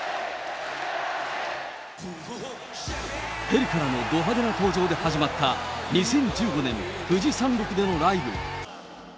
ヘリからのど派手な登場で始まった２０１５年、富士山麓でのライブ。